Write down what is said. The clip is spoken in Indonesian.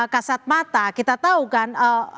kasat mata kita tahu kan